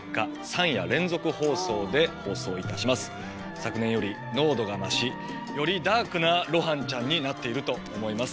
昨年より濃度が増しよりダークな露伴ちゃんになっていると思います。